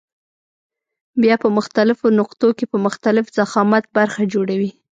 بیا په مختلفو نقطو کې په مختلف ضخامت برخه جوړوي.